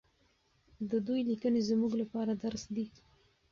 د دوی لیکنې زموږ لپاره درس دی.